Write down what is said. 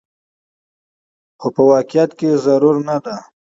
خو په واقعيت کې ضرور نه ده